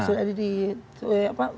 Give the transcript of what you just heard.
iya sudah ada di sana